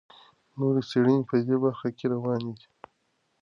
نورې څېړنې په دې برخه کې روانې دي.